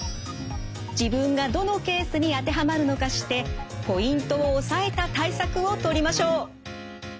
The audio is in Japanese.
自分がどのケースに当てはまるのか知ってポイントを押さえた対策をとりましょう。